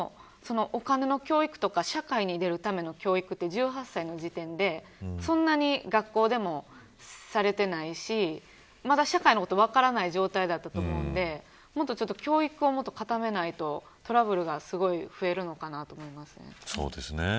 お金の教育とか社会に出るための教育は１８歳の時点でそんなに学校でもされていないしまだ社会のこと分からない状態だと思うのでもっと教育を固めないとトラブルがすごい増えるのかなと思います。